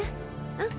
うん。